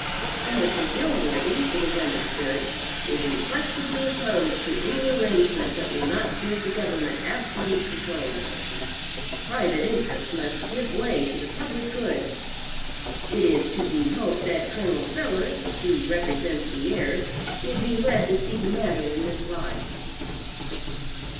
Senator Dilworthy, it is understood, is inflexibly opposed to any arrangement that will not give the government absolute control. Private interests must give way to the public good. It is to be hoped that Col. Sellers, who represents the heirs, will be led to see the matter in this light."